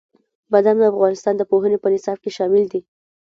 بادام د افغانستان د پوهنې په نصاب کې شامل دي.